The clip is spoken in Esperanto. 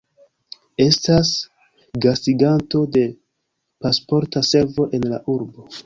Estas gastiganto de Pasporta Servo en la urbo.